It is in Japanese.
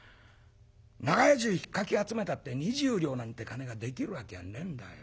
長屋中ひっかき集めたって２０両なんて金ができるわけはねえんだよ。